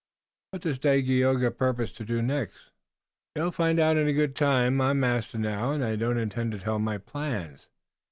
"What does Dagaeoga purpose to do next?" "You'll find out in good time. I'm master now, and I don't intend to tell my plans.